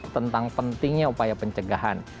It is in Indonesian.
tentang pentingnya upaya pencegahan